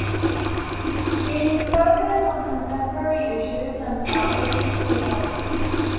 These focus on contemporary issues and are open to the public.